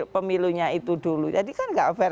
pemilunya itu dulu jadi kan nggak fair